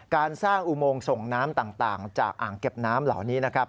การสร้างอุโมงส่งน้ำต่างจากอ่างเก็บน้ำเหล่านี้นะครับ